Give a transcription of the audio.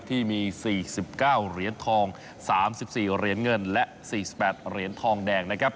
ที่มี๔๙เหรียญทอง๓๔เหรียญเงินและ๔๘เหรียญทองแดงนะครับ